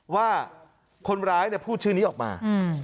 ว่าคนร้ายพูดชื่อนี้ออกมา